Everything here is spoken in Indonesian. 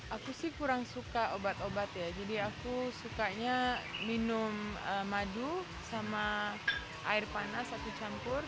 aku sih kurang suka obat obat ya jadi aku sukanya minum madu sama air panas satu campur